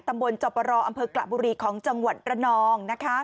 ตำบลจอปรอำเภอกระบุรีของจังหวัดระนอง